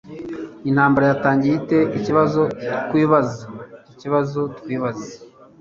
Intambara yatangiye ite ikibazo twibazaikibazo twibaza